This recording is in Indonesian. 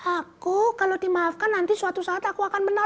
aku kalau dimaafkan nanti suatu saat aku akan menang